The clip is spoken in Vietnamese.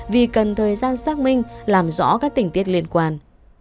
vì cần thời gian xác minh làm rõ các tình tiết liên quan